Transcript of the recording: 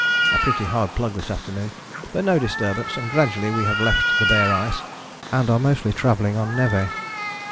A pretty hard plug this afternoon, but no disturbance, and gradually we have left the bare ice, and are mostly travelling on névé.